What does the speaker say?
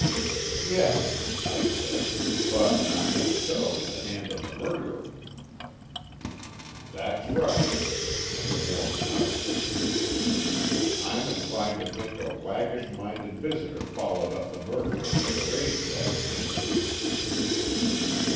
"Yes," I said, "but not necessarily the hand of the murderer." "That's right," and Moore nodded assent. "I'm inclined to think a waggish minded visitor followed up the murderer and arranged that scenery."